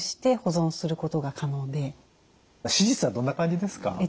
手術はどんな感じですか？